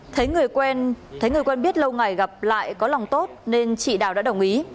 thấy người quen biết lâu ngày gặp lại có lòng tốt nên chị đào đã đồng ý